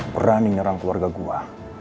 berani nyerang keluarga gue